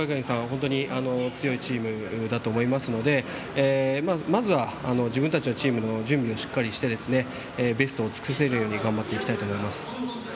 本当に強いチームだと思いますのでまずは、自分たちのチームの準備をしっかりしてベストを尽くせるように頑張っていきたいと思います。